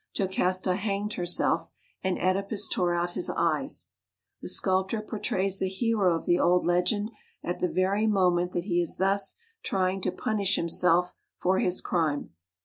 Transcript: Jocasta hanged herself and Oedipus tore out his eyes. The sculptor portrays the hero of the old legend at the very moment that he is thus trjdng to punish himself for his crime.